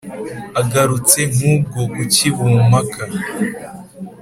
agarutse nk’ubwo ku k’i bumpaka